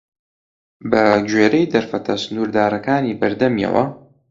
بە گوێرەی دەرفەتە سنووردارەکانی بەردەمیەوە